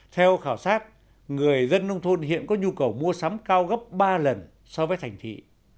theo khảo sát người dân nông thôn hiện có nhu cầu mua sắm cao gấp ba lần so với thành thị